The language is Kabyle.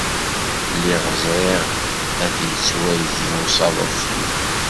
Lliɣ ẓriɣ ad yettwagi usaḍuf-nni.